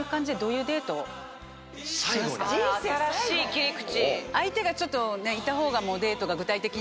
新しい切り口。